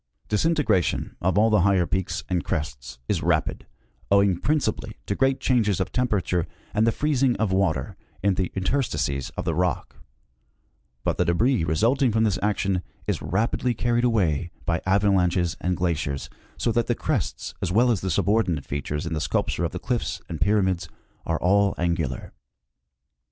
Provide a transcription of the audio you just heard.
Disintegration of all the higher peaks and crests is rapid, owing principally to great changes of temperature and the freez ing of water in the interstices of the rock ; but the debris result ing from this action is rapidly carried away by avalanches and glaciers, so that the crests as well as the subordinate features in the sculpture of the cliffs and pyramids are all angular.